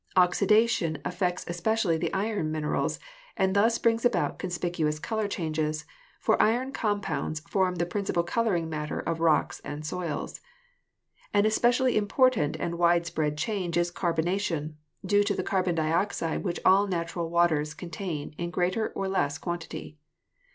Oxidation af fects especially the iron minerals and thus brings about conspicuous color changes, for iron compounds form the principal coloring matter of the rocks and soils. An espe cially important and widespread change is carbonation, due to the carbon dioxide which all natural waters contain in greater or less quantity.